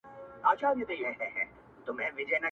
لوستونکی د انسان تر څنګ د يو ژوي د حلالېدو -